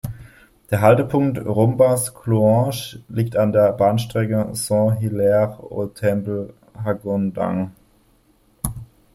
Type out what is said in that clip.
Der Haltepunkt Rombas-Clouange liegt an der Bahnstrecke Saint-Hilaire-au-Temple–Hagondange.